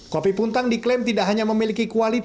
kopi puntang diklaim tidak hanya memiliki kualitas